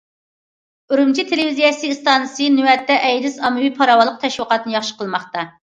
ئۈرۈمچى تېلېۋىزىيە ئىستانسىسى نۆۋەتتە ئەيدىز ئاممىۋى پاراۋانلىق تەشۋىقاتىنى ياخشى قىلماقتا.